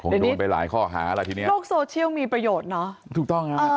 โดนไปหลายข้อหาแล้วทีเนี้ยโลกโซเชียลมีประโยชน์เนอะถูกต้องฮะ